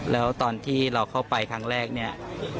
แล้วตอนที่เราเข้าไปครั้งแรกเนี่ย